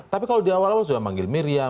tapi kalau di awal awal sudah manggil miriam